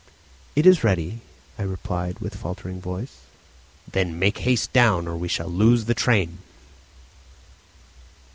"It is ready," I replied, with faltering voice. "Then make haste down, or we shall lose the train."